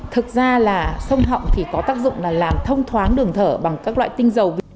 thực ra là sông họng thì có tác dụng là làm thông thoáng đường thở bằng các loại tinh dầu